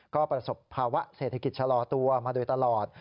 ก็ประสบภาวะเศรษฐกิจชะลอตัวมาโดยตลอด